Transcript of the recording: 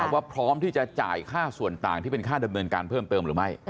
ว่าพร้อมที่จะจ่ายค่าส่วนต่างที่เป็นค่าดำเนินการเพิ่มเติมหรือไม่